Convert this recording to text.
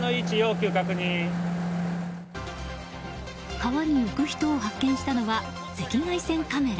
川に浮く人を発見したのは赤外線カメラ。